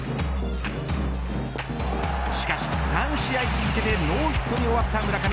しかし３試合続けてノーヒットに終わった村上。